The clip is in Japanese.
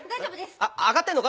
あがってんのか？